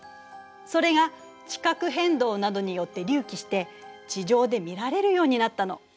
それが地殻変動などによって隆起して地上で見られるようになったの。